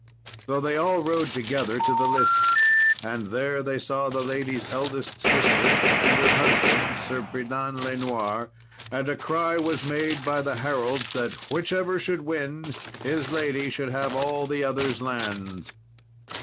So they all rode together to the lists, and there they saw the lady's eldest sister, and her husband, Sir Pridan le Noir. And a cry was made by the heralds that, whichever should win, his lady should have all the other's lands.